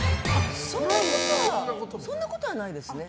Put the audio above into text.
そんなことはないですね。